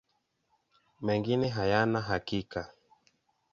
Mengine hayana hakika.